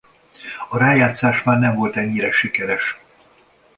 A rájátszás már nem volt ennyire sikeres.